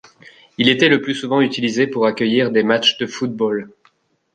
Il était le plus souvent utilisé pour accueillir des matchs de football.